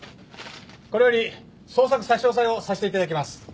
これより捜索・差押えをさせていただきます。